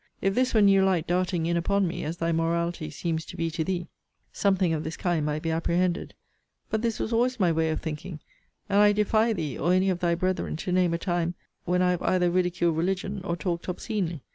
If this were new light darting in upon me, as thy morality seems to be to thee, something of this kind might be apprehended: but this was always my way of thinking; and I defy thee, or any of thy brethren, to name a time when I have either ridiculed religion, or talked obscenely.